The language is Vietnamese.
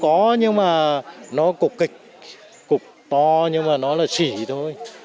cũng có nhưng mà nó cục kịch cục to nhưng mà nó là sỉ thôi